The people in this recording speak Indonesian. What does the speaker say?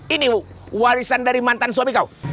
ini warisan dari mantan suami kau